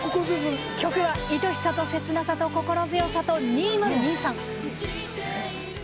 曲は「恋しさとせつなさと心強さと２０２３」。